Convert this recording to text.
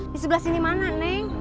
di sebelah sini mana nih